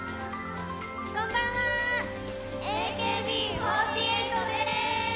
こんばんは、ＡＫＢ４８でーす！